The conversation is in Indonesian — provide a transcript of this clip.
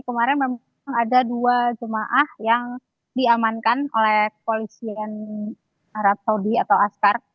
kemarin memang ada dua jemaah yang diamankan oleh kepolisian arab saudi atau askar